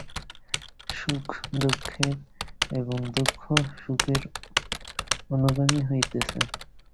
সুখ দুঃখের এবং দুঃখ সুখের অনুগামী হইতেছে।